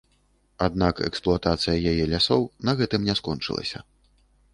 Аднак эксплуатацыя яе лясоў на гэтым не скончылася.